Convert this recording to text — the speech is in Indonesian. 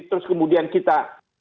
terus kemudian kita